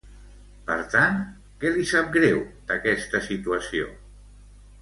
Per tant, què li sap greu d'aquesta situació?